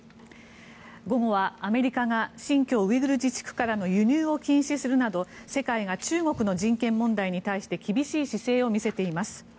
午後はアメリカが新疆ウイグル自治区からの輸入を禁止するなど世界が中国の人権問題に対して厳しい姿勢を見せています。